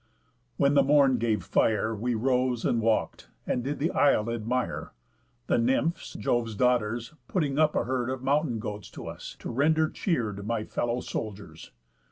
When the morn gave fire, We rose, and walk'd, and did the isle admire; The Nymphs, Jove's daughters, putting up a herd Of mountain goats to us, to render cheer'd My fellow soldiers.